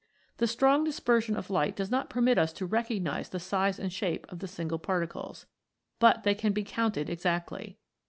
The strong dispersion of light does not permit us to recognise the size and shape of the single particles. But they can be counted exactly.